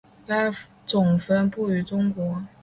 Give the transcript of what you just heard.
该种分布于中国。